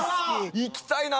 行きたいなぁ！